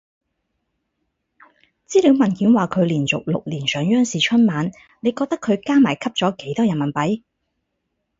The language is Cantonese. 資料文件話佢連續六年上央視春晚，你覺得佢加埋吸咗幾多人民幣？